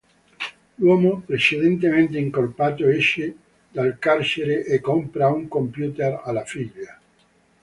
L'uomo precedentemente incolpato, esce dal carcere e compra un computer alla figlia.